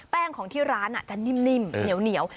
ของที่ร้านจะนิ่มเหนียว